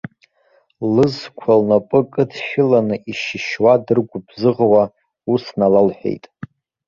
Лызқәа лнапы кыдшьыланы ишьышьуа, дыргәыбзыӷуа, ус налалҳәеит.